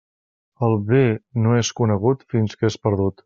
El bé no és conegut fins que és perdut.